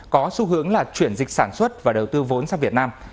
có xu hướng là chuyển dịch sản xuất và đầu tư vốn sang việt nam